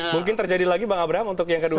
mungkin terjadi lagi pak abraham untuk yang kedua ini